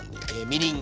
みりん。